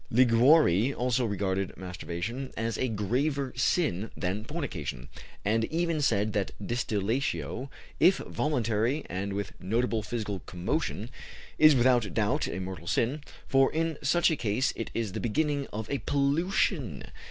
Liguori also regarded masturbation as a graver sin than fornication, and even said that distillatio, if voluntary and with notable physical commotion, is without doubt a mortal sin, for in such a case it is the beginning of a pollution.